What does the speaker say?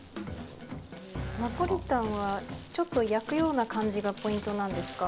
ナポリタンはちょっと焼くような感じがポイントなんですか？